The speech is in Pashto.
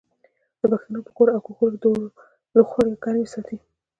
د پښتنو پر کور او کهول د اور لوخړې ګرمې ساتي.